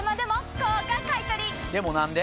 でも何で？